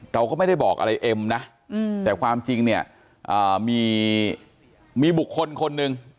เราก็ไม่ได้บอกอะไรเอ็มนะแต่ความจริงเนี่ยมีบุคคลคนหนึ่ง